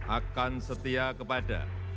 akan setia kepada